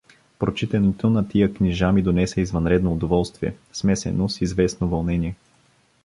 Прочитането на тия книжа ми донесе извънредно удоволствие — смесено с известно вълнение.